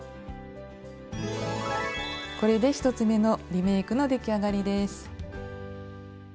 これで１つ目のリメイクの出来上がりです。